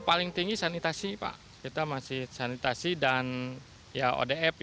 paling tinggi sanitasi pak kita masih sanitasi dan ya odf